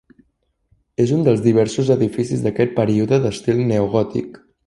És un dels diversos edificis d'aquest període d'estil neogòtic.